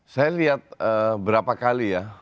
saya lihat berapa kali ya